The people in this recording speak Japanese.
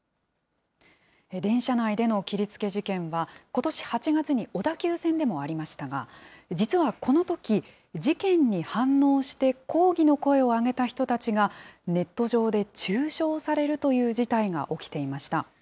電車内での切りつけ事件は、ことし８月に小田急線でもありましたが、実はこのとき、事件に反応して抗議の声を上げた人たちが、ネット上で中傷されるという事態が起きていました。